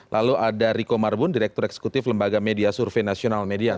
lalu ada riko marbun direktur eksekutif lembaga media survei nasional median